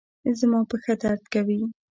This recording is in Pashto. زما پښه درد کوي